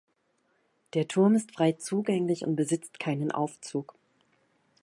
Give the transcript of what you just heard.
Der Turm ist frei zugänglich und besitzt keinen Aufzug.